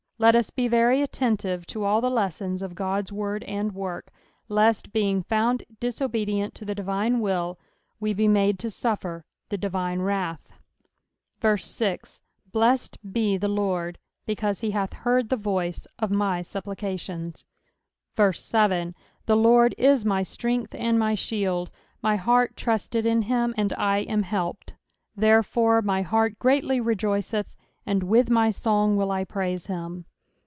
Let us be very attentive tn all the lessons of Ood's word and work, lest being found dis obedient to the divine will, we be made to suffer the divine wrath. 6 Blessed be the LORD, because he hath heard the voice of my supplications. 7 The Lord is my strength and my shield ; my heart trusted in him, and I am helped : therefore my heart greatly rejoiceth ; and with my song will 1 praise him.